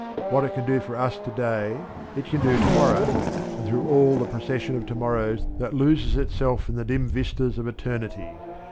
What it can do for us to day it can do to morrow, and through all that procession of to morrows that loses itself in the dim vistas of eternity.